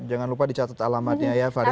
jangan lupa dicatat alamatnya ya fahri